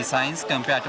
ya sangat berharga